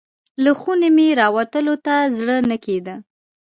له خونې مې راوتلو ته زړه نه کیده.